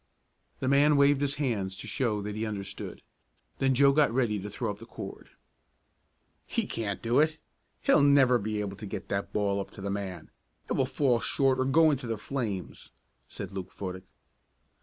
The man waved his hands to show that he understood. Then Joe got ready to throw up the cord. "He can't do it! He'll never be able to get that ball up to the man. It will fall short or go into the flames," said Luke Fodick.